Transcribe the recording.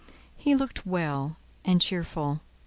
He looked well and cheerful.